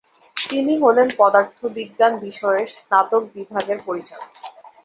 তিনি হলেন পদার্থবিজ্ঞান বিষয়ের স্নাতক বিভাগের পরিচালক।